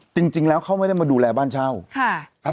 จริงแล้วเขาไม่ได้มาดูแลบ้านเช่าค่ะ